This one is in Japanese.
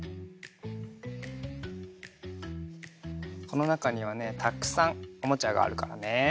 このなかにはねたくさんおもちゃがあるからね。